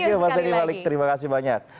thank you mas denny malik terima kasih banyak